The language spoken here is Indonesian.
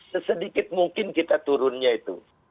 sesedikit mungkin kita turunnya itu